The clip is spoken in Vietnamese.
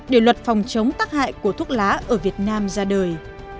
để luật phòng chống tắc hại của thuốc lá ở việt nam ra đời